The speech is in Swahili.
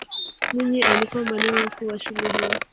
mwinyi alikuwa mwalimu mkuu wa shule hiyo